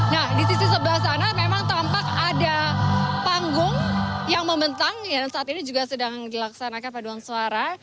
nah di sisi sebelah sana memang tampak ada panggung yang membentang yang saat ini juga sedang dilaksanakan paduan suara